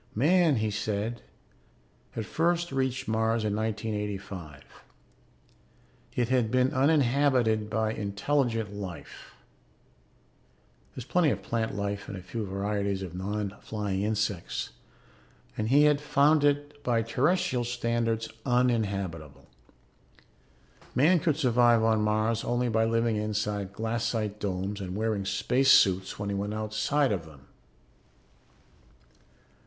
Man, he said, had first reached Mars in 1985. It had been uninhabited by intelligent life (there is plenty of plant life and a few varieties of non flying insects) and he had found it by terrestrial standards uninhabitable. Man could survive on Mars only by living inside glassite domes and wearing space suits when he went outside of them.